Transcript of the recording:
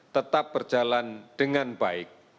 tetap berjalan dengan baik